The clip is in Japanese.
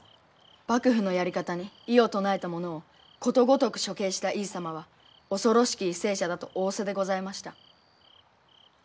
「幕府のやり方に異を唱えた者をことごとく処刑した井伊様は恐ろしき為政者だ」と仰せでございました。